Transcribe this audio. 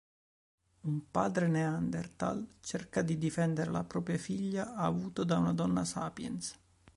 Un padre Neanderthal cerca di difendere la propria figlia avuta da una donna Sapiens.